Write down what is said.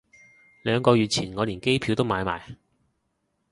兩個月前我連機票都買埋